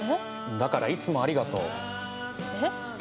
だからいつもありがとう。